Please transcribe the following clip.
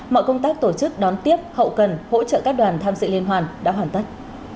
mọi công tác tổ chức đón tiếp hậu cần hỗ trợ các đoàn tham dự liên hoàn đã hoàn tất